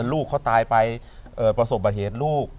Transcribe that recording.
ลูกเขาตายไปประสงค์บันเทศลูก